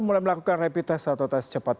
mulai melakukan rapid test atau tes cepat